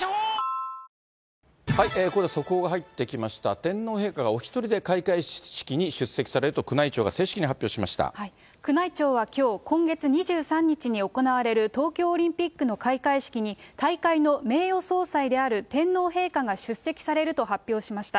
天皇陛下がお一人で開会式に出席されると、宮内庁が正式に発表し宮内庁はきょう、今月２３日に行われる、東京オリンピックの開会式に、大会の名誉総裁である天皇陛下が出席されると発表しました。